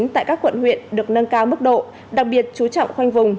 tại các quận huyện được nâng cao mức độ đặc biệt chú trọng khoanh vùng